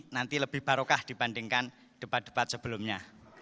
nanti lebih barokah dibandingkan debat debat sebelumnya